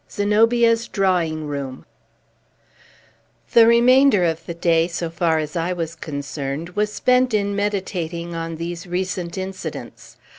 ZENOBIA'S DRAWING ROOM The remainder of the day, so far as I was concerned, was spent in meditating on these recent incidents.